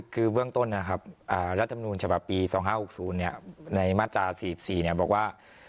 คือเบื้องต้นนะครับรัฐมนูญฉบับปี๒๕๖๐ในมาตรา๔๔บอกว่า